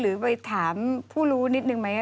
หรือไปถามผู้รู้นิดนึงไหม